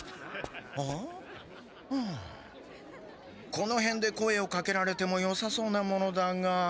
このへんで声をかけられてもよさそうなものだが。